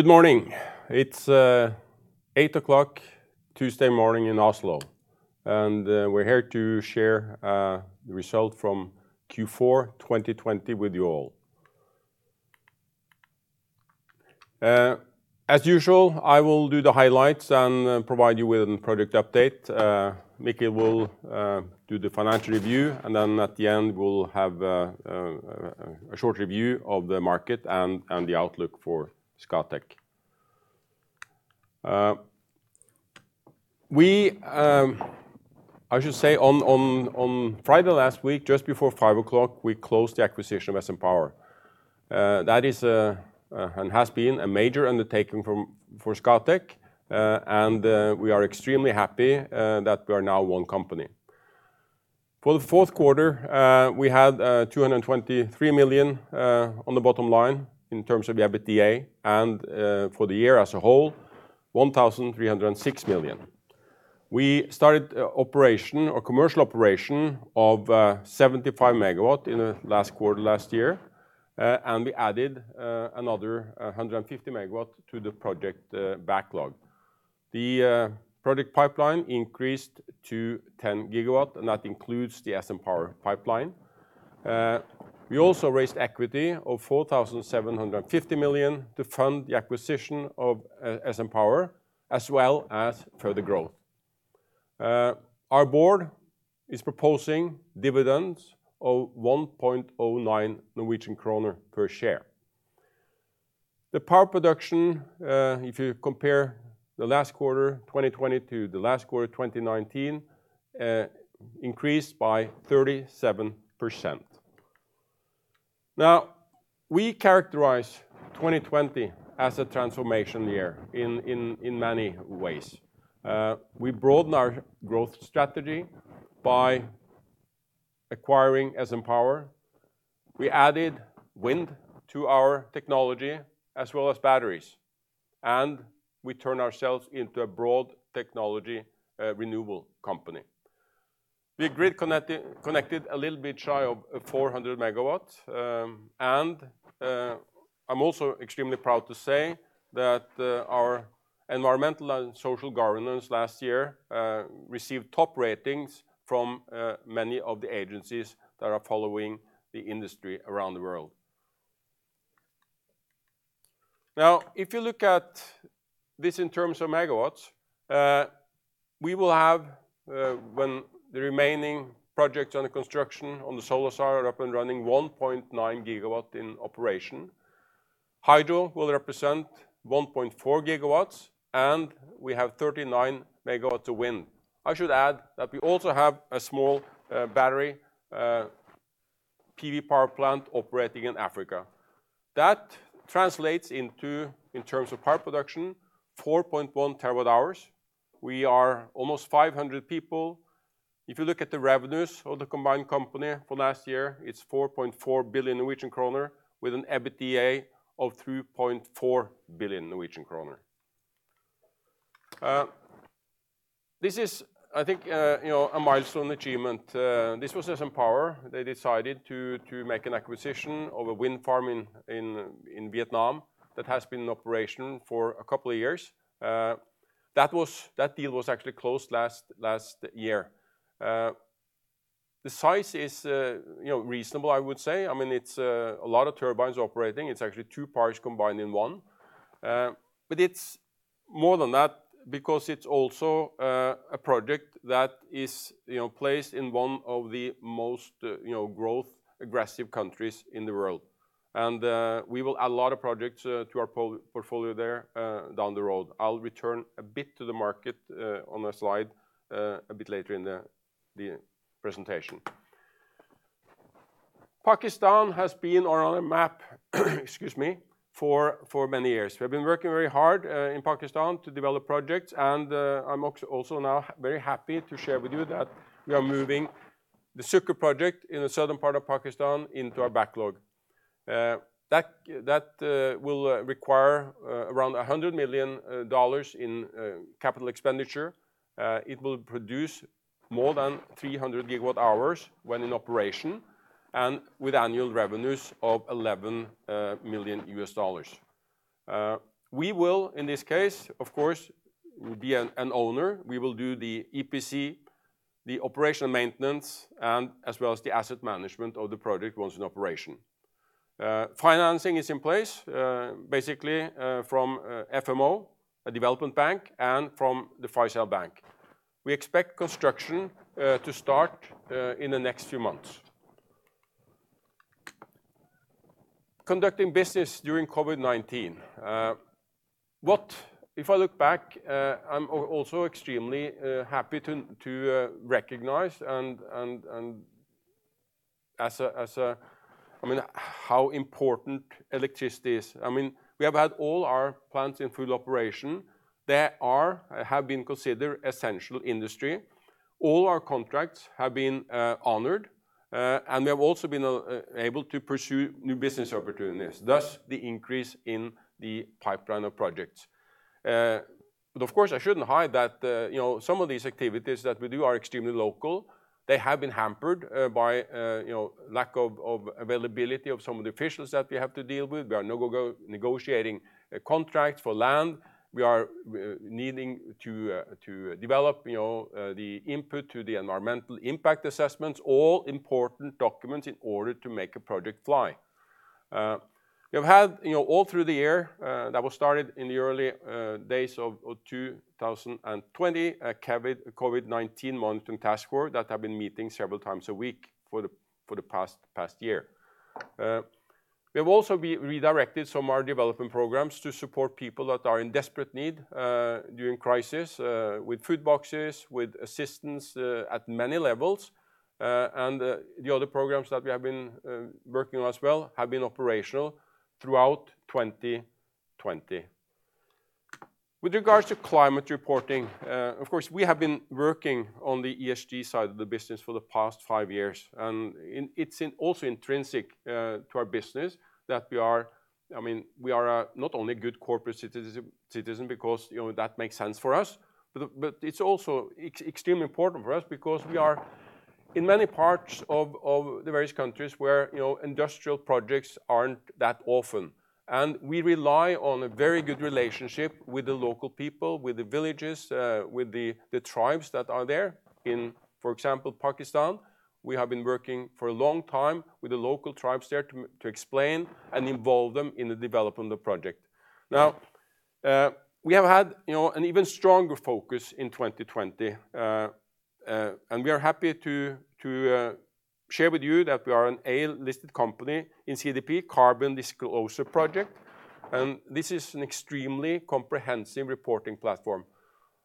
Good morning. It's 8:00 A.M. Tuesday morning in Oslo, we're here to share the result from Q4 2020 with you all. As usual, I will do the highlights and provide you with a project update. Mikkel will do the financial review, then at the end, we'll have a short review of the market and the outlook for Scatec. I should say on Friday last week, just before 5:00 P.M., we closed the acquisition of SN Power. That is, and has been a major undertaking for Scatec, we are extremely happy that we are now one company. For the fourth quarter, we had 223 million on the bottom line in terms of the EBITDA, for the year as a whole, 1,306 million. We started operation or commercial operation of 75 MW in the last quarter, last year, we added another 150 MW to the project backlog. The project pipeline increased to 10 GW, and that includes the SN Power pipeline. We also raised equity of 4,750 million to fund the acquisition of SN Power as well as further growth. Our board is proposing dividends of 1.09 Norwegian kroner per share. The power production, if you compare the last quarter 2020 to the last quarter 2019, increased by 37%. We characterize 2020 as a transformation year in many ways. We broaden our growth strategy by acquiring SN Power. We added wind to our technology as well as batteries, and we turn ourselves into a broad technology renewable company. The grid connected a little bit shy of 400 MW, and I'm also extremely proud to say that our environmental and social governance last year received top ratings from many of the agencies that are following the industry around the world. If you look at this in terms of megawatts, we will have when the remaining projects under construction on the solar side are up and running 1.9 GW in operation. Hydro will represent 1.4 GW, and we have 39 MW to wind. I should add that we also have a small battery PV power plant operating in Africa. That translates into, in terms of power production, 4.1 TWh. We are almost 500 people. If you look at the revenues of the combined company for last year, it's 4.4 billion Norwegian kroner with an EBITDA of 3.4 billion Norwegian kroner. This is, I think a milestone achievement. This was SN Power. They decided to make an acquisition of a wind farm in Vietnam that has been in operation for a couple of years. That deal was actually closed last year. The size is reasonable, I would say. It's a lot of turbines operating. It's actually two parks combined in one. It's more than that because it's also a project that is placed in one of the most growth aggressive countries in the world. We will add a lot of projects to our portfolio there down the road. I'll return a bit to the market on a slide a bit later in the presentation. Pakistan has been on our map excuse me, for many years. We have been working very hard in Pakistan to develop projects, and I'm also now very happy to share with you that we are moving the Sukkur project in the southern part of Pakistan into our backlog. That will require around $100 million in capital expenditure. It will produce more than 300 GW hours when in operation and with annual revenues of $11 million. We will, in this case, of course, be an owner. We will do the EPC, the operation maintenance, as well as the asset management of the project once in operation. Financing is in place, basically from FMO, a development bank, and from the Faysal Bank. We expect construction to start in the next few months. Conducting business during COVID-19. If I look back, I'm also extremely happy to recognize how important electricity is. We have had all our plants in full operation. They have been considered essential industry. All our contracts have been honored. We have also been able to pursue new business opportunities, thus the increase in the pipeline of projects. Of course, I shouldn't hide that some of these activities that we do are extremely local. They have been hampered by lack of availability of some of the officials that we have to deal with. We are negotiating contracts for land. We are needing to develop the input to the environmental impact assessments. All important documents in order to make a project fly. We have had, all through the year, that was started in the early days of 2020, a COVID-19 monitoring task force that have been meeting several times a week for the past year. We have also redirected some of our development programs to support people that are in desperate need during crisis, with food boxes, with assistance at many levels. The other programs that we have been working on as well have been operational throughout 2020. With regards to climate reporting, of course, we have been working on the ESG side of the business for the past five years. It's also intrinsic to our business that we are not only good corporate citizen because that makes sense for us, but it's also extremely important for us because we are in many parts of the various countries where industrial projects aren't that often. We rely on a very good relationship with the local people, with the villages, with the tribes that are there. In, for example, Pakistan, we have been working for a long time with the local tribes there to explain and involve them in the development of the project. Now, we have had an even stronger focus in 2020. We are happy to share with you that we are an A-listed company in CDP, Carbon Disclosure Project, and this is an extremely comprehensive reporting platform.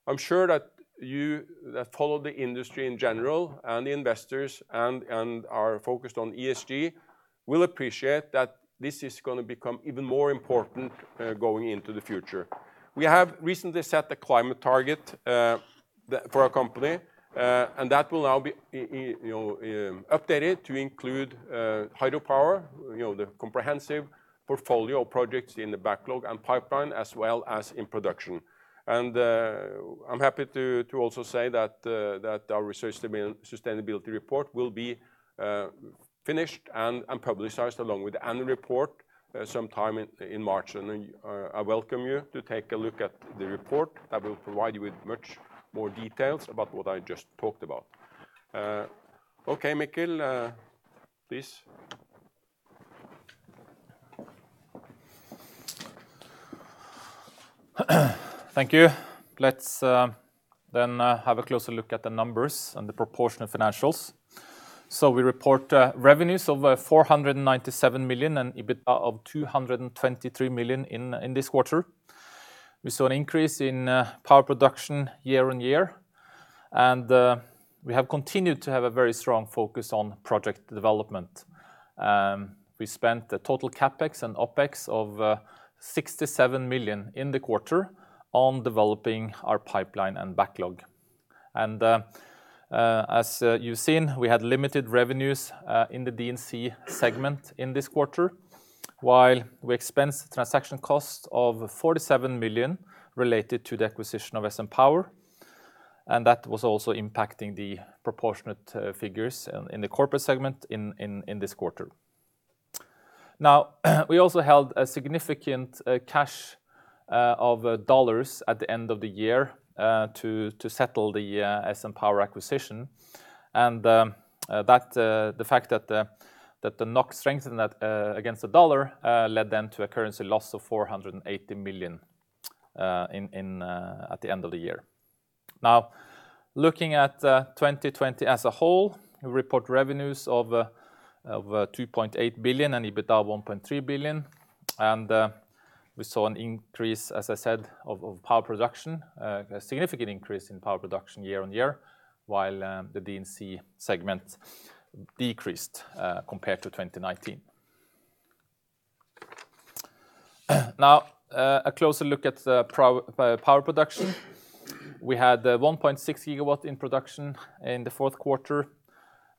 I'm sure that you that follow the industry in general and the investors and are focused on ESG will appreciate that this is going to become even more important going into the future. We have recently set a climate target for our company, That will now be updated to include hydropower, the comprehensive portfolio of projects in the backlog and pipeline, as well as in production. I'm happy to also say that our sustainability report will be finished and publicized along with the annual report sometime in March. I welcome you to take a look at the report that will provide you with much more details about what I just talked about. Okay, Mikkel, please. Thank you. Let's have a closer look at the numbers and the proportion of financials. We report revenues of 497 million and EBITDA of 223 million in this quarter. We saw an increase in power production year-on-year, and we have continued to have a very strong focus on project development. We spent a total CapEx and OpEx of 67 million in the quarter on developing our pipeline and backlog. As you've seen, we had limited revenues in the D&C segment in this quarter, while we expensed transaction costs of 47 million related to the acquisition of SN Power. That was also impacting the proportionate figures in the corporate segment in this quarter. We also held a significant cash of USD at the end of the year to settle the SN Power acquisition. The fact that the NOK strengthened against the USD led then to a currency loss of 480 million at the end of the year. Now, looking at 2020 as a whole, we report revenues of 2.8 billion and EBITDA of 1.3 billion. We saw an increase, as I said, of power production, a significant increase in power production year-on-year, while the D&C segment decreased compared to 2019. Now, a closer look at power production. We had 1.6 GW in production in the fourth quarter.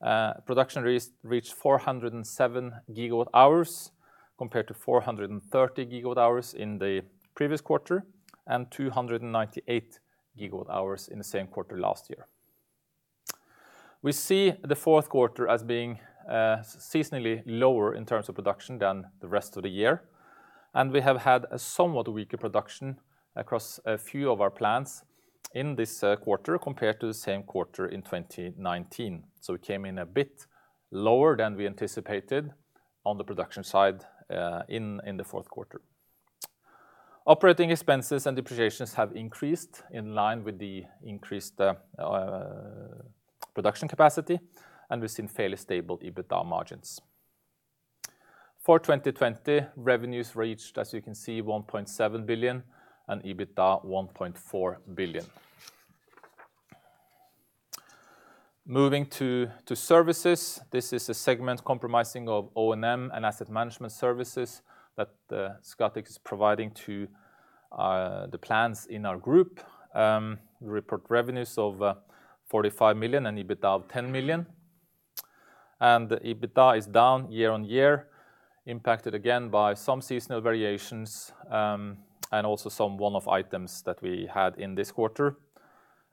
Production reached 407 GW hours compared to 430 GW hours in the previous quarter and 298 GW hours in the same quarter last year. We see the fourth quarter as being seasonally lower in terms of production than the rest of the year. We have had a somewhat weaker production across a few of our plants in this quarter compared to the same quarter in 2019. We came in a bit lower than we anticipated on the production side in the fourth quarter. Operating expenses and depreciations have increased in line with the increased production capacity, and we've seen fairly stable EBITDA margins. For 2020, revenues reached, as you can see, 1.7 billion and EBITDA 1.4 billion. Moving to services, this is a segment compromising of O&M and asset management services that Scatec is providing to the plants in our group. We report revenues of 45 million and EBITDA of 10 million. EBITDA is down year-over-year, impacted again by some seasonal variations, and also some one-off items that we had in this quarter.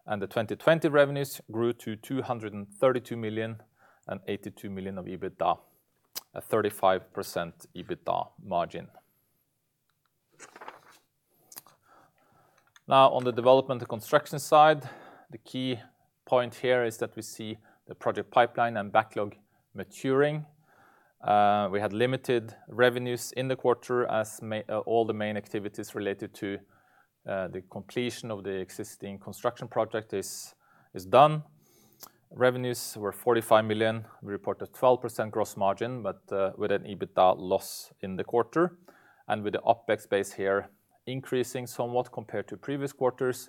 The 2020 revenues grew to 232 million and 82 million of EBITDA, a 35% EBITDA margin. On the development and construction side, the key point here is that we see the project pipeline and backlog maturing. We had limited revenues in the quarter as all the main activities related to the completion of the existing construction project is done. Revenues were 45 million. We reported 12% gross margin, but with an EBITDA loss in the quarter and with the OpEx base here increasing somewhat compared to previous quarters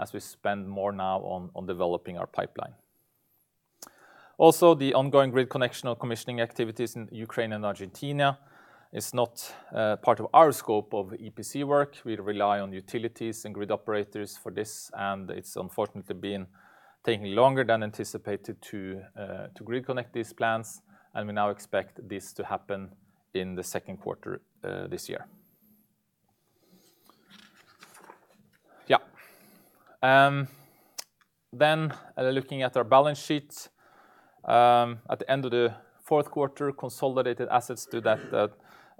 as we spend more now on developing our pipeline. The ongoing grid connection or commissioning activities in Ukraine and Argentina is not part of our scope of EPC work. We rely on utilities and grid operators for this, it's unfortunately been taking longer than anticipated to grid connect these plants, we now expect this to happen in the second quarter this year. Looking at our balance sheet. At the end of the fourth quarter, consolidated assets stood at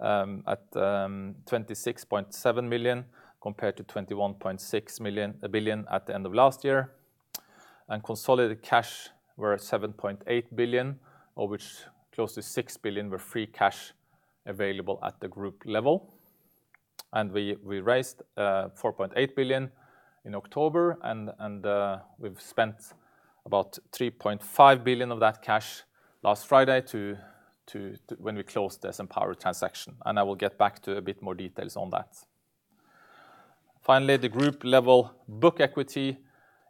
26.7 million, compared to 21.6 billion at the end of last year, consolidated cash were 7.8 billion, of which close to 6 billion were free cash available at the group level. We raised 4.8 billion in October, we've spent about 3.5 billion of that cash last Friday when we closed the SN Power transaction. I will get back to a bit more details on that. Finally, the group-level book equity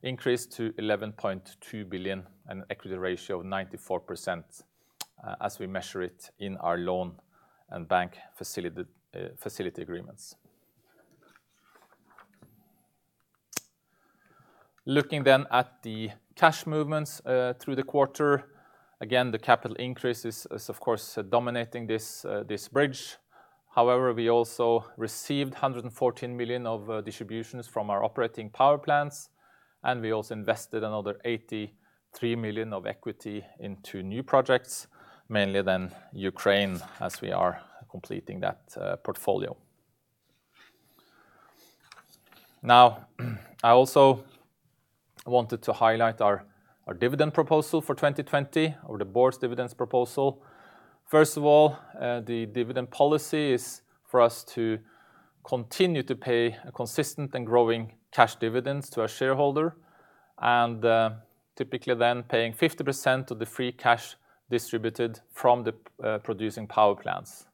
increased to 11.2 billion, an equity ratio of 94% as we measure it in our loan and bank facility agreements. Looking at the cash movements through the quarter. The capital increase is of course dominating this bridge. We also received 114 million of distributions from our operating power plants, and we also invested another 83 million of equity into new projects, mainly then Ukraine as we are completing that portfolio. I also wanted to highlight our dividend proposal for 2020 or the Board's dividend proposal. The dividend policy is for us to continue to pay a consistent and growing cash dividend to our shareholder, and typically then paying 50% of the free cash distributed from the producing power plants.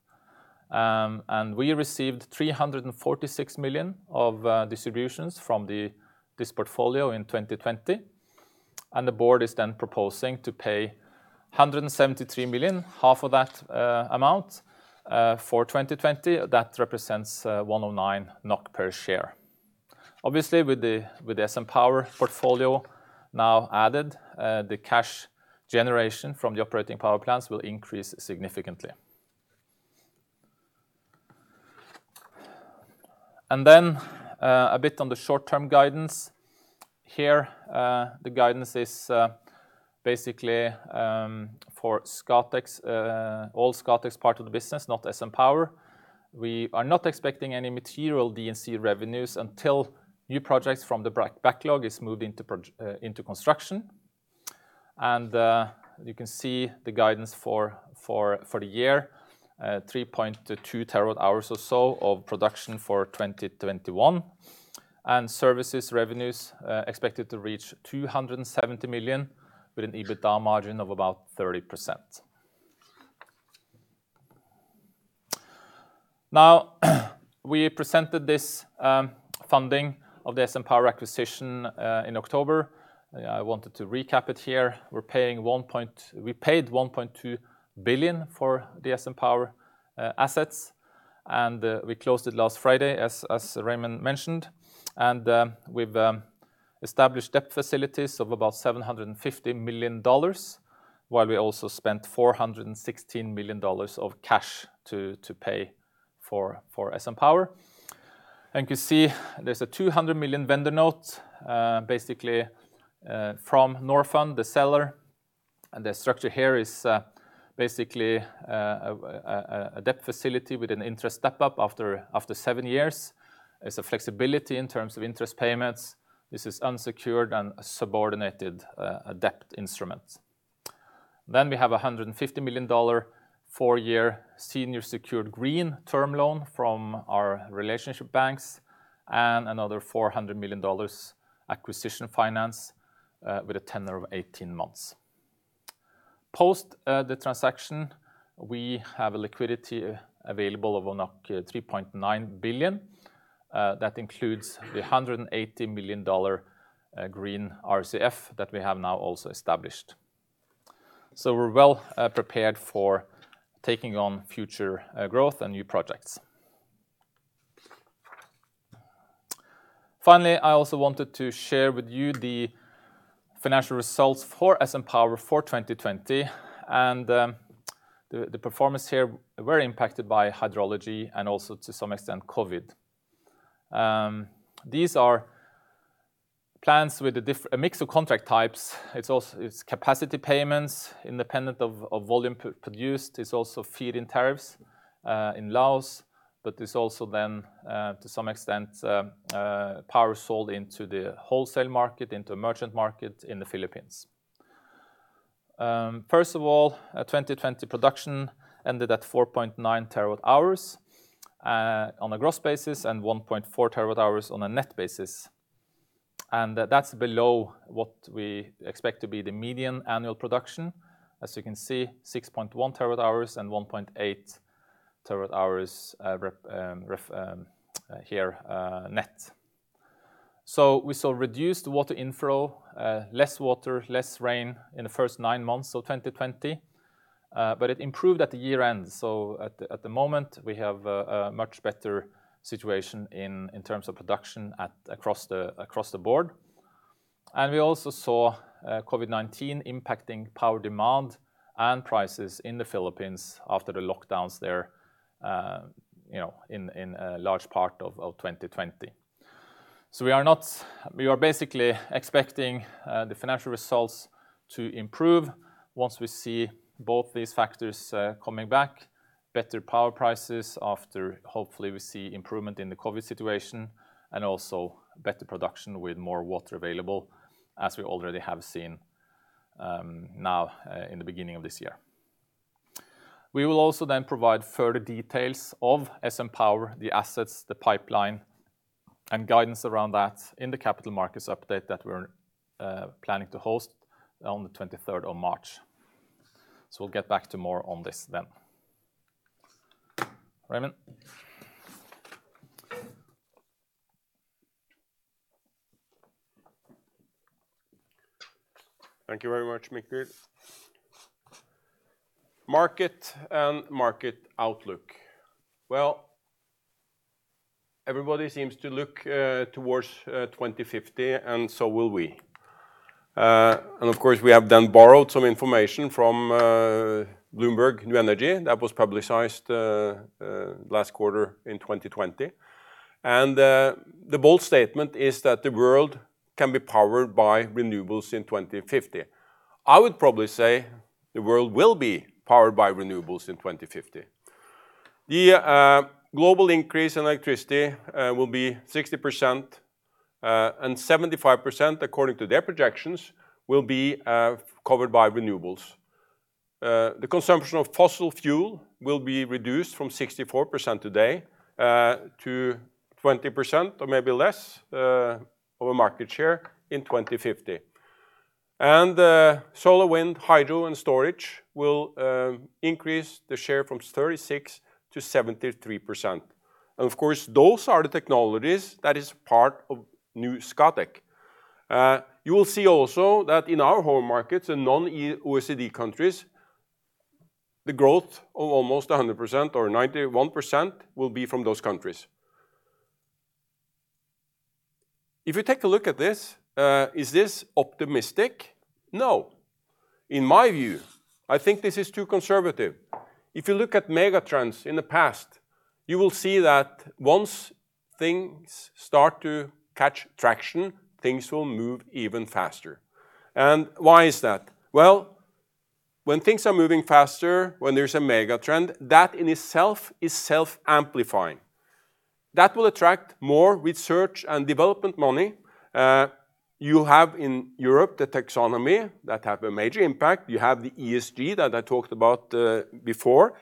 We received 346 million of distributions from this portfolio in 2020. The Board is then proposing to pay 173 million, half of that amount, for 2020. That represents 1.09 NOK per share. Obviously, with the SN Power portfolio now added, the cash generation from the operating power plants will increase significantly. A bit on the short-term guidance. Here, the guidance is basically for all Scatec's part of the business, not SN Power. We are not expecting any material D&C revenues until new projects from the backlog is moved into construction. You can see the guidance for the year, 3.2 TWh or so of production for 2021. Services revenues are expected to reach 270 million, with an EBITDA margin of about 30%. We presented this funding of the SN Power acquisition in October. I wanted to recap it here. We paid $1.2 billion for the SN Power assets, and we closed it last Friday, as Raymond mentioned. We've established debt facilities of about $750 million. While we also spent $416 million of cash to pay for SN Power. You see there's a 200 million vendor note, basically from Norfund, the seller. The structure here is basically a debt facility with an interest step-up after seven years. It's a flexibility in terms of interest payments. This is unsecured and subordinated debt instrument. We have $150 million, four-year senior secured green term loan from our relationship banks, and another $400 million acquisition finance with a tenure of 18 months. Post the transaction, we have a liquidity available of 3.9 billion. That includes the NOK 180 million green RCF that we have now also established. We're well prepared for taking on future growth and new projects. Finally, I also wanted to share with you the financial results for SN Power for 2020 and the performance here, very impacted by hydrology and also, to some extent, COVID. These are plans with a mix of contract types. It's capacity payments independent of volume produced. It's also feed-in tariffs in Laos. It's also, to some extent, power sold into the wholesale market, into merchant market in the Philippines. First of all, 2020 production ended at 4.9 TWh on a gross basis and 1.4 TWh on a net basis. That's below what we expect to be the median annual production. As you can see, 6.1 TWh and 1.8 TWh here net. We saw reduced water inflow, less water, less rain in the first nine months of 2020. It improved at the year-end. At the moment, we have a much better situation in terms of production across the board. We also saw COVID-19 impacting power demand and prices in the Philippines after the lockdowns there in a large part of 2020. We are basically expecting the financial results to improve once we see both these factors coming back, better power prices after, hopefully, we see improvement in the COVID situation, and also better production with more water available, as we already have seen now in the beginning of this year. We will also then provide further details of SN Power, the assets, the pipeline, and guidance around that in the capital markets update that we're planning to host on the 23rd of March. We'll get back to more on this then. Raymond. Thank you very much, Mikkel. Market and market outlook. Everybody seems to look towards 2050, and so will we. We have then borrowed some information from BloombergNEF that was publicized Q4 2020. The bold statement is that the world can be powered by renewables in 2050. I would probably say the world will be powered by renewables in 2050. The global increase in electricity will be 60%, and 75%, according to their projections, will be covered by renewables. The consumption of fossil fuel will be reduced from 64% today to 20%, or maybe less, of a market share in 2050. Solar, wind, hydro, and storage will increase the share from 36% to 73%. Those are the technologies that is part of new Scatec. You will see also that in our home markets, in non-OECD countries, the growth of almost 100%, or 91%, will be from those countries. If you take a look at this, is this optimistic? No. In my view, I think this is too conservative. If you look at megatrends in the past, you will see that once things start to catch traction, things will move even faster. Why is that? Well, when things are moving faster, when there's a megatrend, that in itself is self-amplifying. That will attract more research and development money. You have in Europe the taxonomy that have a major impact. You have the ESG that I talked about before.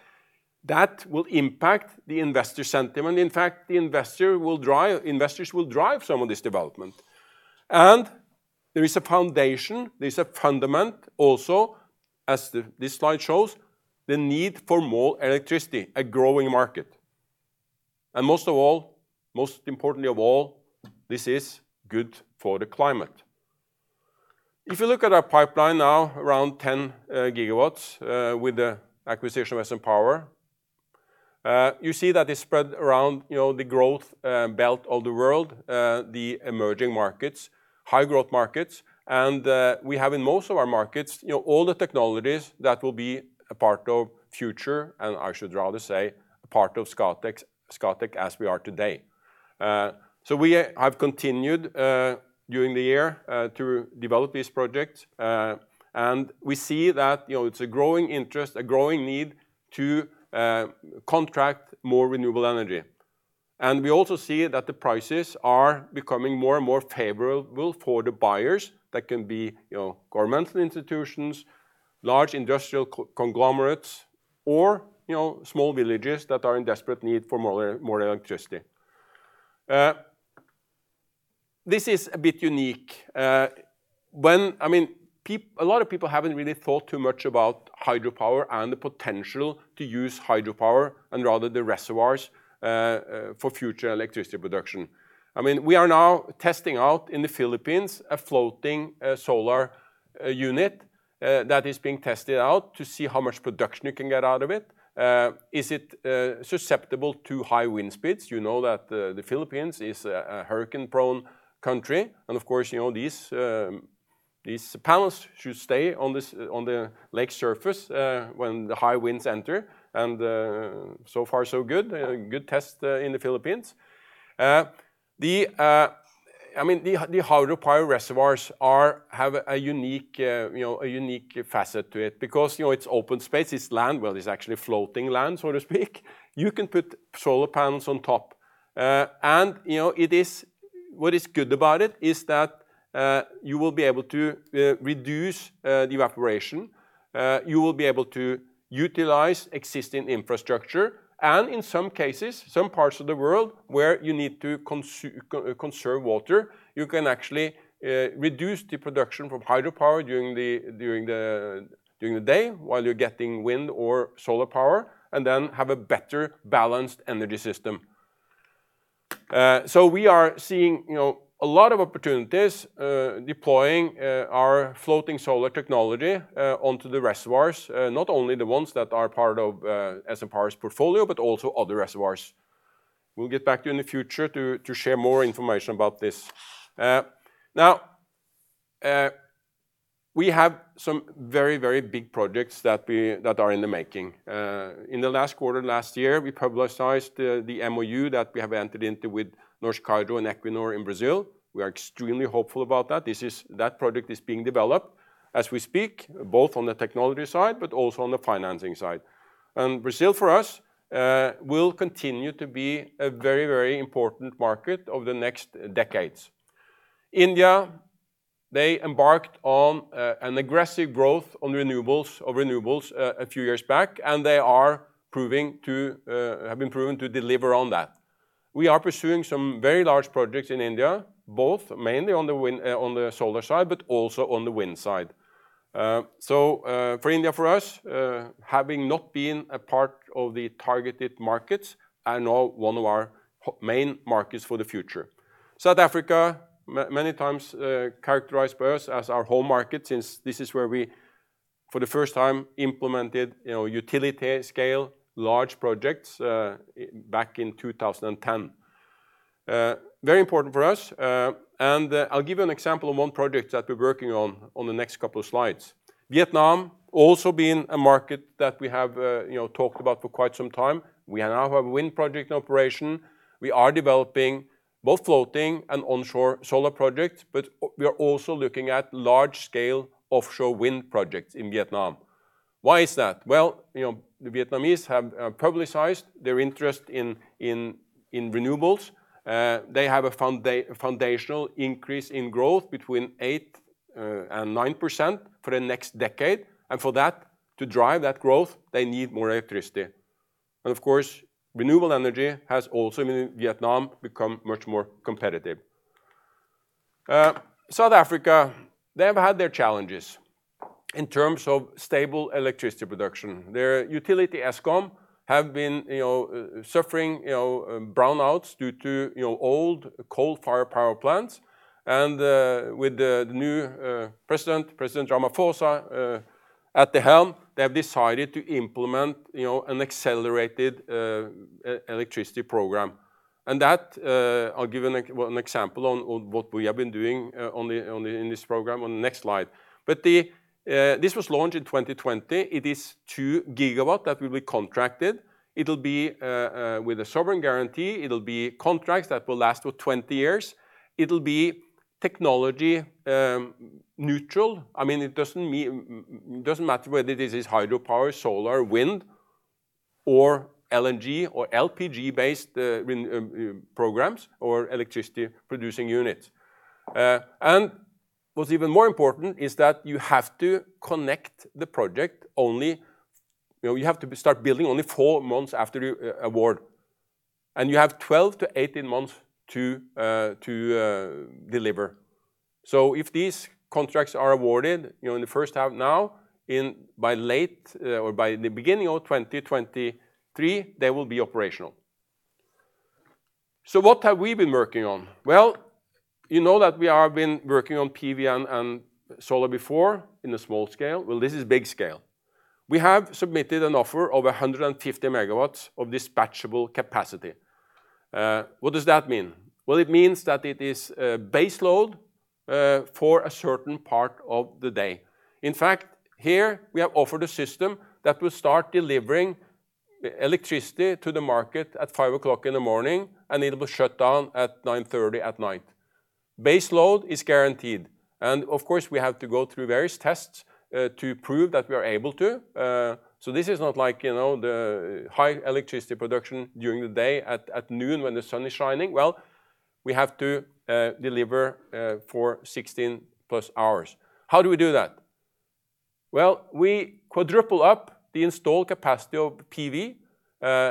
That will impact the investor sentiment. In fact, investors will drive some of this development. There is a foundation, there's a fundament also, as this slide shows, the need for more electricity, a growing market. Most of all, most importantly of all, this is good for the climate. If you look at our pipeline now, around 10 GW, with the acquisition of SN Power, you see that it's spread around the growth belt of the world, the emerging markets, high growth markets. We have in most of our markets all the technologies that will be a part of future, and I should rather say a part of Scatec as we are today. We have continued during the year to develop these projects, and we see that it's a growing interest, a growing need to contract more renewable energy. We also see that the prices are becoming more and more favorable for the buyers. That can be governmental institutions, large industrial conglomerates, or small villages that are in desperate need for more electricity. This is a bit unique. A lot of people haven't really thought too much about hydropower and the potential to use hydropower and rather the reservoirs for future electricity production. We are now testing out in the Philippines a floating solar unit that is being tested out to see how much production you can get out of it. Is it susceptible to high wind speeds? You know that the Philippines is a hurricane prone country, and of course, these panels should stay on the lake surface when the high winds enter, and so far so good. Good test in the Philippines. The hydropower reservoirs have a unique facet to it because it's open space. It's land, well, it's actually floating land, so to speak. You can put solar panels on top. What is good about it is that you will be able to reduce the evaporation. You will be able to utilize existing infrastructure, and in some cases, some parts of the world where you need to conserve water, you can actually reduce the production from hydropower during the day while you're getting wind or solar power, and then have a better balanced energy system. We are seeing a lot of opportunities deploying our floating solar technology onto the reservoirs. Not only the ones that are part of SN Power's portfolio, but also other reservoirs. We'll get back to you in the future to share more information about this. We have some very, very big projects that are in the making. In the last quarter, last year, we publicized the MoU that we have entered into with Norsk Hydro and Equinor in Brazil. We are extremely hopeful about that. That project is being developed as we speak, both on the technology side but also on the financing side. Brazil, for us, will continue to be a very, very important market over the next decades. India, they embarked on an aggressive growth on renewables a few years back, and they have been proven to deliver on that. We are pursuing some very large projects in India, both mainly on the solar side but also on the wind side. For India, for us, having not been a part of the targeted markets are now one of our main markets for the future. South Africa, many times characterized by us as our home market, since this is where we for the first time implemented utility scale large projects back in 2010. Very important for us. I'll give you an example of one project that we're working on the next couple of slides. Vietnam also been a market that we have talked about for quite some time. We now have a wind project in operation. We are developing both floating and onshore solar projects, but we are also looking at large-scale offshore wind projects in Vietnam. Why is that? Well, the Vietnamese have publicized their interest in renewables. They have a foundational increase in growth between 8% and 9% for the next decade. For that to drive that growth, they need more electricity. Of course, renewable energy has also, in Vietnam, become much more competitive. South Africa, they have had their challenges in terms of stable electricity production. Their utility, Eskom, have been suffering brownouts due to old coal-fired power plants. With the new president, President Ramaphosa, at the helm, they have decided to implement an Accelerated Electricity Program. That I'll give an example on what we have been doing in this program on the next slide. This was launched in 2020. It is 2 GW that will be contracted. It'll be with a sovereign guarantee. It'll be contracts that will last for 20 years. It'll be technology neutral. It doesn't matter whether this is hydropower, solar, wind or LNG or LPG based programs or electricity producing units. What's even more important is that you have to connect the project. You have to start building only four months after the award, and you have 12-18 months to deliver. If these contracts are awarded in the first half now, by late or by the beginning of 2023, they will be operational. What have we been working on? Well, you know that we have been working on PV and solar before in a small scale. Well, this is big scale. We have submitted an offer of 150 MW of dispatchable capacity. What does that mean? Well, it means that it is base load for a certain part of the day. In fact, here we have offered a system that will start delivering electricity to the market at 5:00 A.M. in the morning, and it will shut down at 9:30 P.M. at night. Base load is guaranteed, and of course, we have to go through various tests to prove that we are able to. This is not like the high electricity production during the day at noon when the sun is shining. Well, we have to deliver for 16+ hours. How do we do that? Well, we quadruple up the installed capacity of PV.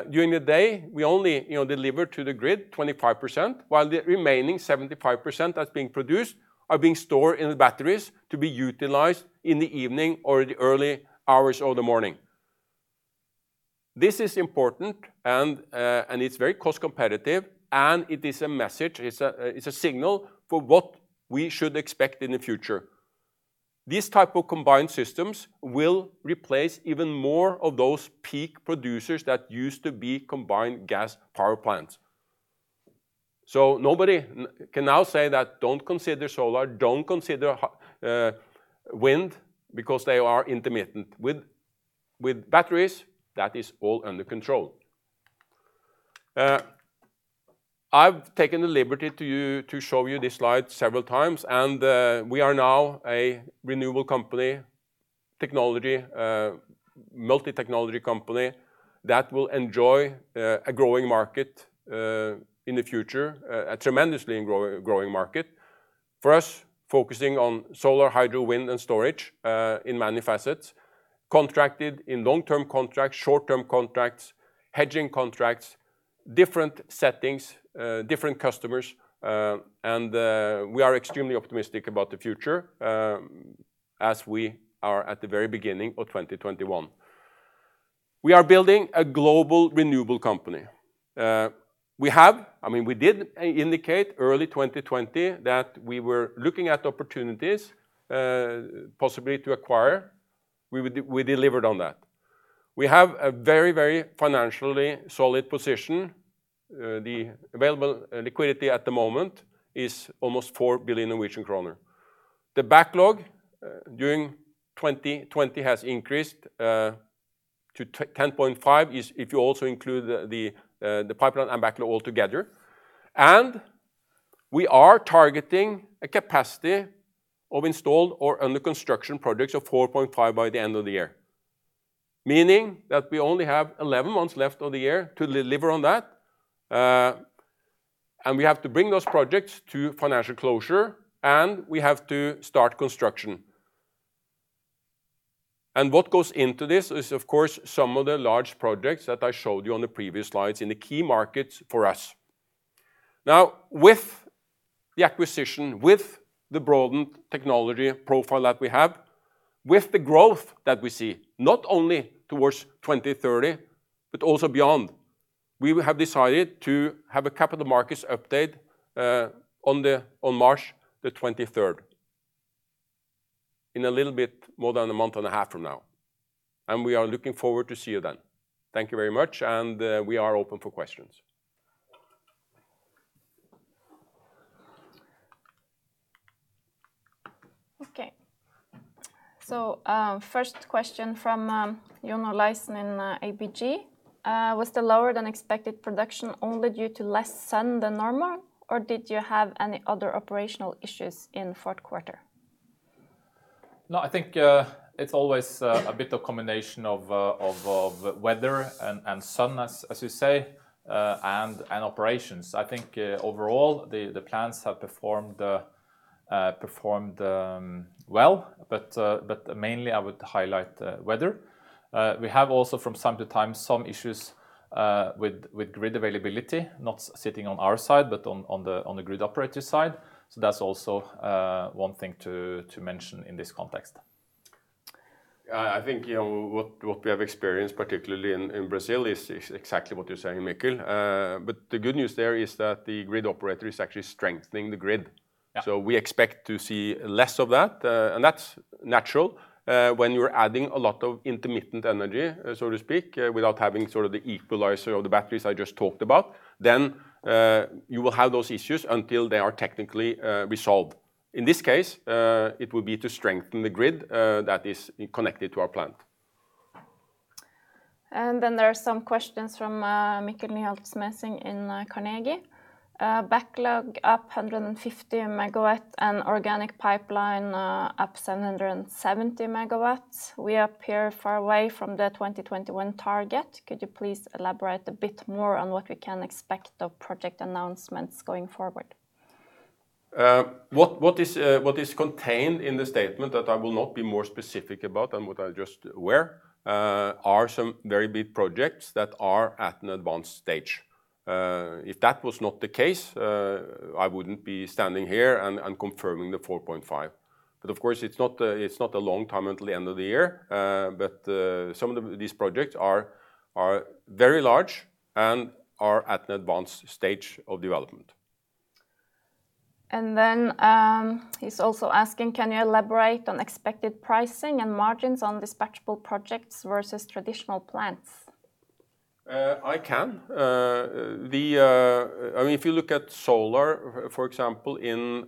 During the day, we only deliver to the grid 25%, while the remaining 75% that's being produced are being stored in the batteries to be utilized in the evening or in the early hours of the morning. This is important and it's very cost competitive, and it is a message. It's a signal for what we should expect in the future. These type of combined systems will replace even more of those peak producers that used to be combined gas power plants. Nobody can now say that don't consider solar, don't consider wind, because they are intermittent. With batteries, that is all under control. I've taken the liberty to show you this slide several times, and we are now a renewable company technology, multi-technology company that will enjoy a growing market in the future, a tremendously growing market. For us, focusing on solar, hydro, wind, and storage in many facets, contracted in long-term contracts, short-term contracts, hedging contracts, different settings, different customers, and we are extremely optimistic about the future, as we are at the very beginning of 2021. We are building a global renewable company. We did indicate early 2020 that we were looking at opportunities, possibly to acquire. We delivered on that. We have a very financially solid position. The available liquidity at the moment is almost 4 billion Norwegian kroner. The backlog during 2020 has increased to 10.5, if you also include the pipeline and backlog all together. We are targeting a capacity of installed or under construction projects of 4.5 by the end of the year, meaning that we only have 11 months left of the year to deliver on that. We have to bring those projects to financial closure, and we have to start construction. What goes into this is, of course, some of the large projects that I showed you on the previous slides in the key markets for us. Now, with the acquisition, with the broadened technology profile that we have, with the growth that we see, not only towards 2030, but also beyond, we have decided to have a capital markets update on March the 23rd, in a little bit more than a month and a half from now, and we are looking forward to see you then. Thank you very much, and we are open for questions. First question from John Olaisen in ABG. Was the lower than expected production only due to less sun than normal, or did you have any other operational issues in fourth quarter? I think it's always a bit of combination of weather and sun, as you say, and operations. I think overall, the plants have performed well. Mainly, I would highlight the weather. We have also from time to time some issues with grid availability, not sitting on our side, but on the grid operator side. That's also one thing to mention in this context. I think what we have experienced, particularly in Brazil, is exactly what you're saying, Mikkel. The good news there is that the grid operator is actually strengthening the grid. Yeah. We expect to see less of that, and that is natural. When you are adding a lot of intermittent energy, so to speak, without having sort of the equalizer of the batteries I just talked about, then you will have those issues until they are technically resolved. In this case, it will be to strengthen the grid that is connected to our plant. There are some questions from Mikkel Nyholt-Smedseng in Carnegie. Backlog up 150 MW and organic pipeline up 770 MW. We appear far away from the 2021 target. Could you please elaborate a bit more on what we can expect of project announcements going forward? What is contained in the statement that I will not be more specific about than what I just were, are some very big projects that are at an advanced stage. If that was not the case, I wouldn't be standing here and confirming the 4.5. Of course, it's not a long time until the end of the year. Some of these projects are very large and are at an advanced stage of development. He's also asking, "Can you elaborate on expected pricing and margins on dispatchable projects versus traditional plants? I can. If you look at solar, for example, in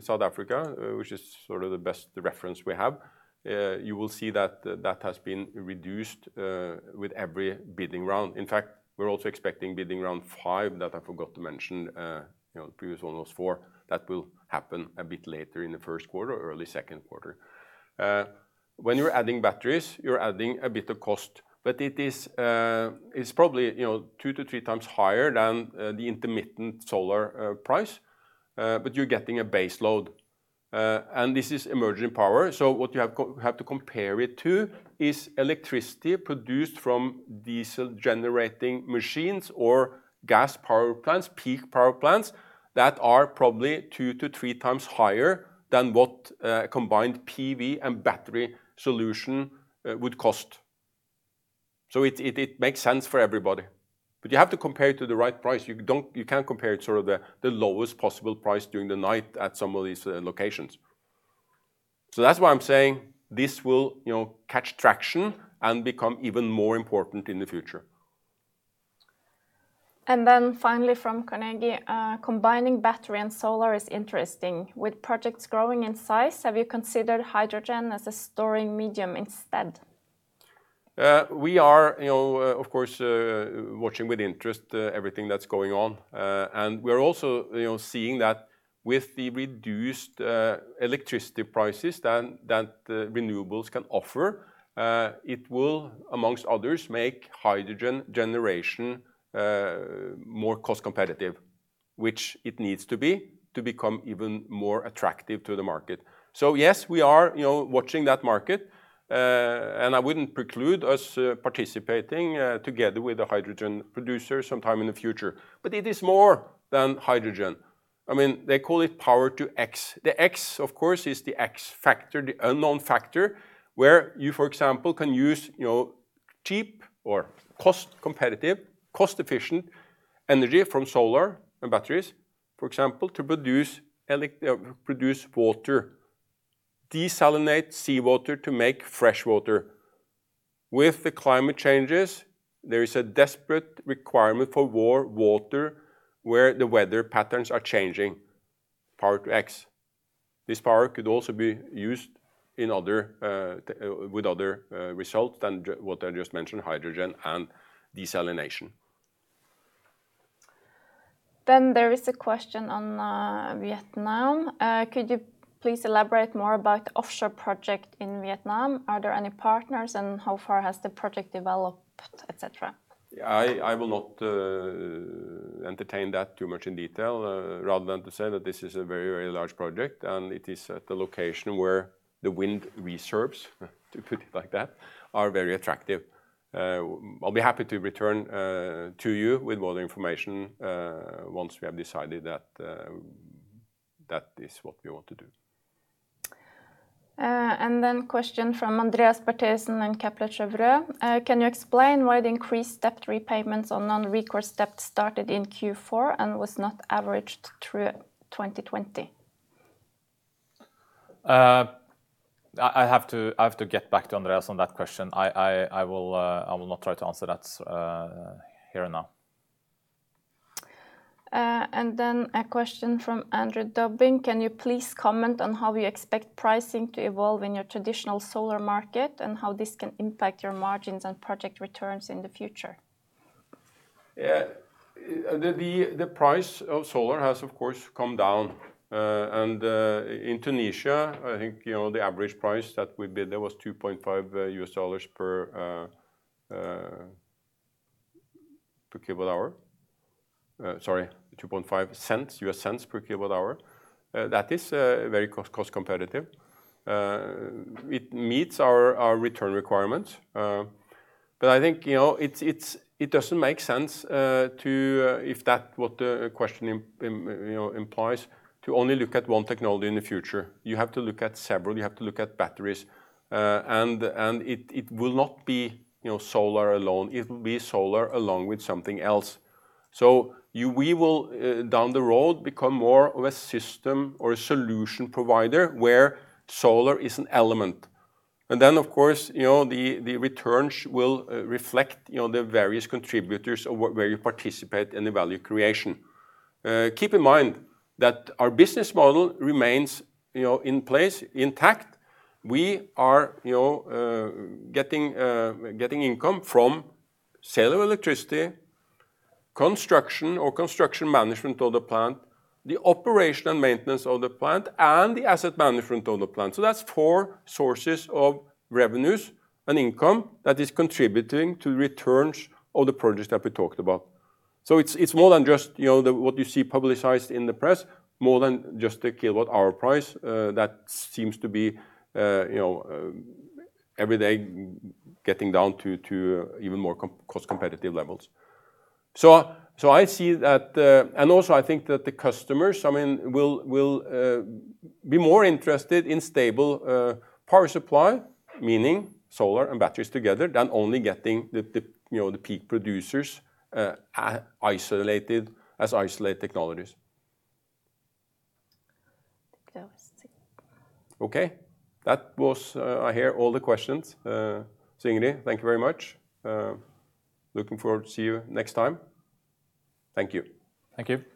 South Africa, which is sort of the best reference we have, you will see that has been reduced with every bidding round. In fact, we're also expecting bidding round 5, that I forgot to mention, the previous one was 4. That will happen a bit later in the first quarter or early second quarter. When you're adding batteries, you're adding a bit of cost. It's probably two to three times higher than the intermittent solar price, but you're getting a base load. This is emerging power, so what you have to compare it to is electricity produced from diesel-generating machines or gas power plants, peak power plants, that are probably two to three times higher than what a combined PV and battery solution would cost. It makes sense for everybody. You have to compare it to the right price. You can't compare it to the lowest possible price during the night at some of these locations. That's why I'm saying this will catch traction and become even more important in the future. Finally from Carnegie, Combining battery and solar is interesting. With projects growing in size, have you considered hydrogen as a storing medium instead? We are, of course, watching with interest everything that's going on. We're also seeing that with the reduced electricity prices that renewables can offer, it will, amongst others, make hydrogen generation more cost-competitive, which it needs to be to become even more attractive to the market. Yes, we are watching that market, and I wouldn't preclude us participating together with a hydrogen producer sometime in the future. It is more than hydrogen. They call it power-to-X. The X, of course, is the X factor, the unknown factor, where you, for example, can use cheap or cost-competitive, cost-efficient energy from solar and batteries, for example, to produce water. Desalinate seawater to make fresh water. With the climate changes, there is a desperate requirement for more water where the weather patterns are changing. Power-to-X. This power could also be used with other results than what I just mentioned, hydrogen and desalination. There is a question on Vietnam. "Could you please elaborate more about the offshore project in Vietnam? Are there any partners, and how far has the project developed, et cetera? I will not entertain that too much in detail, other than to say that this is a very large project, and it is at the location where the wind reserves, to put it like that, are very attractive. I'll be happy to return to you with more information once we have decided that is what we want to do. A question from Andreas Bertheussen in Kepler Cheuvreux. "Can you explain why the increased debt repayments on non-recourse debt started in Q4 and was not averaged through 2020? I have to get back to Andreas on that question. I will not try to answer that here and now. A question from Andrew Dobbing. Can you please comment on how you expect pricing to evolve in your traditional solar market, and how this can impact your margins and project returns in the future? The price of solar has, of course, come down. In Tunisia, I think the average price that we bid there was $2.50 per kWh. Sorry, $0.025 per kWh. That is very cost-competitive. It meets our return requirements. I think it doesn't make sense to, if that's what the question implies, to only look at one technology in the future. You have to look at several. You have to look at batteries. It will not be solar alone. It will be solar along with something else. We will, down the road, become more of a system or a solution provider where solar is an element. Of course, the returns will reflect the various contributors of where you participate in the value creation. Keep in mind that our business model remains in place, intact. We are getting income from sale of electricity, construction or construction management of the plant, the operation and maintenance of the plant, and the asset management of the plant. That's four sources of revenues and income that is contributing to returns of the projects that we talked about. It's more than just what you see publicized in the press, more than just the kilowatt hour price that seems to be every day getting down to even more cost-competitive levels. Also I think that the customers will be more interested in stable power supply, meaning solar and batteries together, than only getting the peak producers as isolated technologies. I think that was it. Okay. That was, I hear, all the questions. Singri, thank you very much. Looking forward to see you next time. Thank you. Thank you.